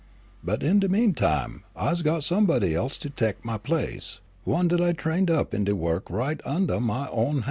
But in de mean time I's got somebody else to tek my place, one dat I trained up in de wo'k right undah my own han'.